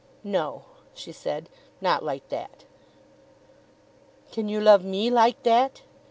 "No," she said; "not like that." "Can you love me like that?"